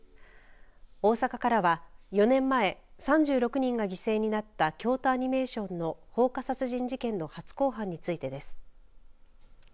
大阪からは４年前３６人が犠牲になった京都アニメーションの放火殺人事件の初公判についてです。